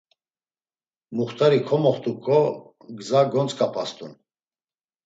Muxtari komoxtuǩo, gza gontzǩapast̆un.